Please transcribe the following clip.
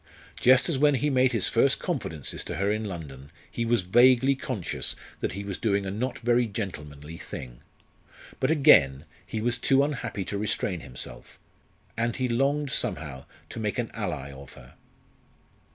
Just as when he made his first confidences to her in London, he was vaguely conscious that he was doing a not very gentlemanly thing. But again, he was too unhappy to restrain himself, and he longed somehow to make an ally of her.